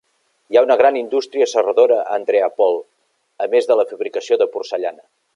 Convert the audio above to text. Hi ha una gran indústria serradora a Andreapol, a més de la fabricació de porcellana.